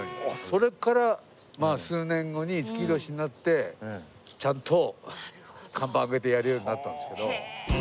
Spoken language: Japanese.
それから数年後に五木ひろしになってちゃんと看板上げてやるようになったんですけど。